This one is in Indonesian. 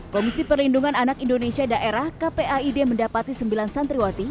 komisi perlindungan anak indonesia daerah kpaid mendapati sembilan santriwati